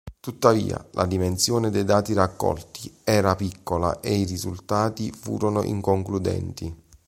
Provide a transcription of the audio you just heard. Tuttavia, la dimensione dei dati raccolti era piccola e i risultati furono inconcludenti.